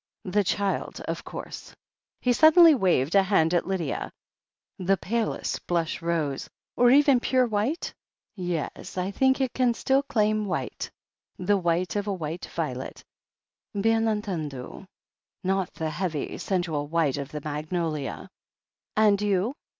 The child, of course" — ^he suddenly waved a hand at Lydia — "the palest blush rose — or even pure white ? Yes, I think it can still claim white — ^the white of a white violet, bien entendu — ^not the heavy, sensual white of the magnolia." "And you?"